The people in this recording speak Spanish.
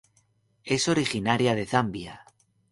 Es originaria de Zambia.